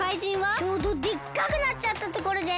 ちょうどでっかくなっちゃったところです。